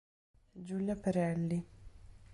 Giulia Perelli